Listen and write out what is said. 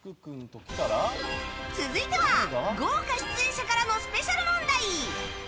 続いては、豪華出演者からのスペシャル問題！